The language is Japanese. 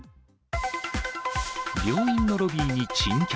病院のロビーに珍客。